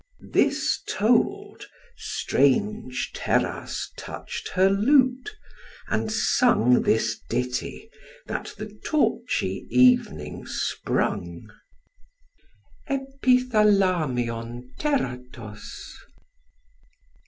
This told, strange Teras touch'd her lute, and sung This ditty, that the torchy evening sprung. _Epithalamion Teratos.